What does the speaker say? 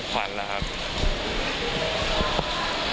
ขวานเหล้าครับ